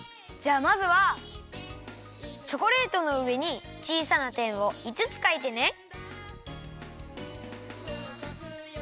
じゃあまずはチョコレートのうえにちいさなてんをいつつかいてね。